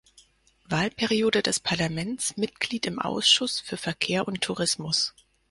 Wahlperiode des Parlaments Mitglied im Ausschuss für Verkehr und Tourismus.